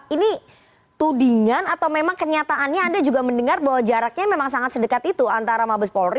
ini tudingan atau memang kenyataannya anda juga mendengar bahwa jaraknya memang sangat sedekat itu antara mabes polri